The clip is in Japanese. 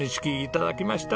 頂きました！